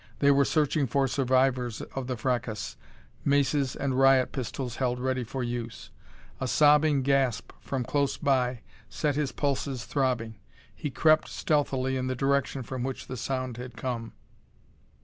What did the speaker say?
They were searching for survivors of the fracas, maces and riot pistols held ready for use. A sobbing gasp from close by set his pulses throbbing. He crept stealthily in the direction from which the sound had come.